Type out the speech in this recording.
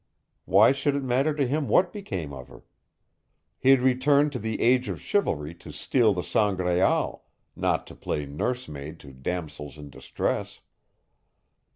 Why should it matter to him what became of her? He'd returned to the Age of Chivalry to steal the Sangraal, not to play nursemaid to damosels in distress.